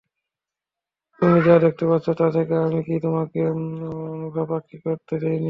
তুমি যা দেখতে পাচ্ছো তা থেকে আমি কি তোমাকে অমুখাপেক্ষী করে দেইনি?